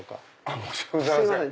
申し訳ございません。